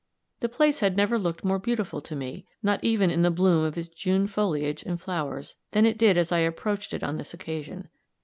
The place had never looked more beautiful to me, not even in the bloom of its June foliage and flowers, than it did as I approached it on this occasion.